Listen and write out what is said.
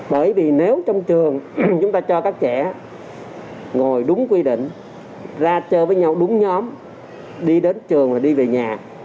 bởi vì nếu trong trường chúng ta cho các trẻ ngồi đúng quy định ra chơi với nhau đúng nhóm đi đến trường và đi về nhà